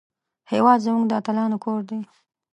هېواد زموږ د اتلانو کور دی